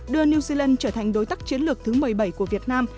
đưa new zealand trở thành đối tác chiến lược thứ một mươi bảy của việt nam